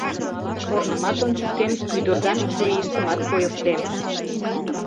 Корнымат ончыктем, ӱдырдан чурийыштымат койыктем.